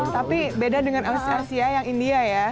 tapi beda dengan asia asia yang india ya